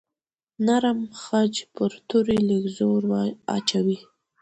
نرم خج پر توري لږ زور اچوي.